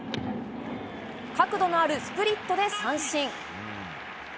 角度のあるスプリットで三振。